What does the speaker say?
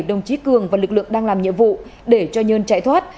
đồng chí cường và lực lượng đang làm nhiệm vụ để cho nhân chạy thoát